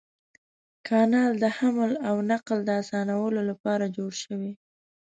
کانال د حمل او نقل د اسانولو لپاره جوړ شوی.